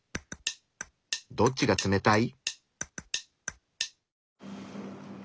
どっちが冷たい？